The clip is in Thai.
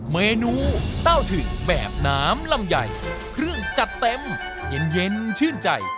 เมนูเต้าถึงแบบน้ำลำไยเครื่องจัดเต็มเย็นชื่นใจ